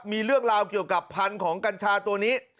มีเรื่องราวเกี่ยวกับพันธุ์ของกัญชาตัวนี้